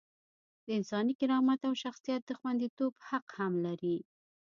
د انساني کرامت او شخصیت د خونديتوب حق هم لري.